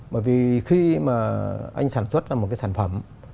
bởi vì khi mà anh sản xuất là một cái sản phẩm